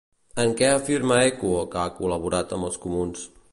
En què afirma Equo que ha col·laborat amb els comuns?